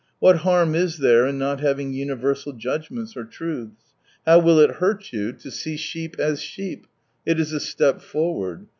What harm is there in not having universal judgments or truths ? How will it hurt you to see 231 sheep as sheep ? It is a step forward.